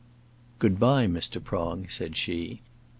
"Good bye, Mr. Prong," said she.